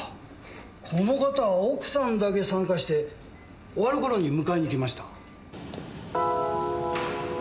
この方は奥さんだけ参加して終わる頃に迎えに来ました。